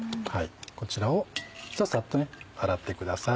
こちらをサッと洗ってください。